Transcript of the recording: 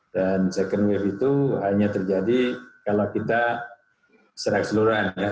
dan second wave itu hanya terjadi kalau kita serak seluruhnya